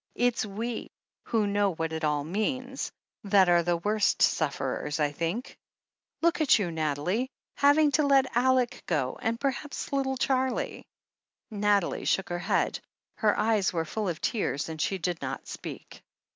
It's we, who know what it all means, that are the worst sufferers, I think. Look at you, Nathalie, having to let Aleck go, and per haps little Charlie !" Nathalie shook her head. Her eyes were full of tears, and she did not speak.